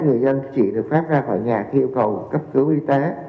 người dân chỉ được phép ra khỏi nhà khi yêu cầu cấp cứu y tế